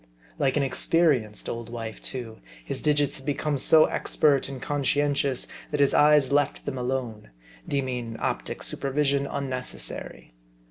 Like an experienced old wife too, his digits had become so expert and conscientious, that his eyes left them alone ; deeming optic supervision unnecessary.